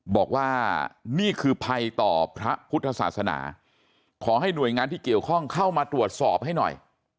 บอกว่านี่คือภัยต่อพระพุทธศาสนาขอให้หน่วยงานที่เกี่ยวข้องเข้ามาตรวจสอบให้หน่อย